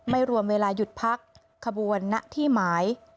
ไม่รวมเวลาหยุดพักขบวนณที่หมาย